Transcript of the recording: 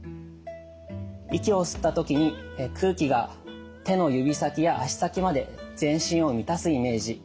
息を吸った時に空気が手の指先や足先まで全身を満たすイメージ。